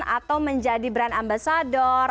atau menjadi brand ambassador